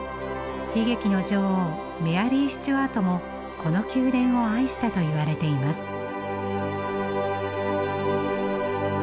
悲劇の女王メアリー・スチュアートもこの宮殿を愛したといわれています。